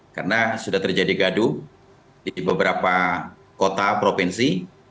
karena sudah terjadi gaduh di beberapa kota provinsi